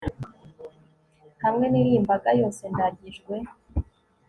hamwe n'iyi mbaga yose ndagijwe